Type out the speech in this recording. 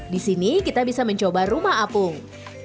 di sini kita bisa mencoba rumah apung